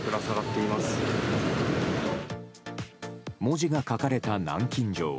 文字が書かれた南京錠。